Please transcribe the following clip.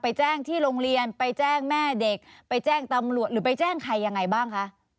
แจ้งที่โรงเรียนไปแจ้งแม่เด็กไปแจ้งตำรวจหรือไปแจ้งใครยังไงบ้างคะ